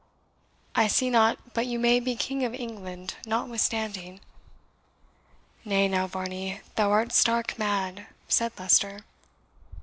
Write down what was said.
I see not but you may be King of England notwithstanding." "Nay, now, Varney, thou art stark mad," said Leicester.